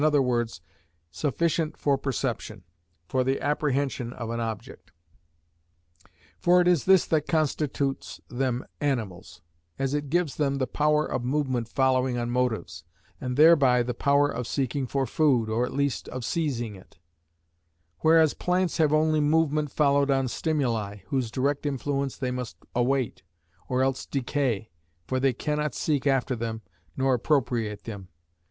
e._, sufficient for perception, for the apprehension of an object. For it is this that constitutes them animals, as it gives them the power of movement following on motives, and thereby the power of seeking for food, or at least of seizing it; whereas plants have only movement following on stimuli, whose direct influence they must await, or else decay, for they cannot seek after them nor appropriate them.